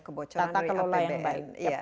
kebocoran dari apbn tata kelola yang baik